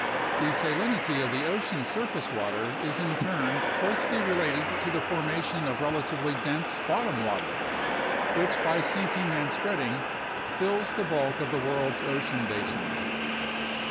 The salinity of the ocean surface water is in turn closely related to the formation of relatively dense bottom water, which by sinking and spreading fills the bulk of the world's ocean basins.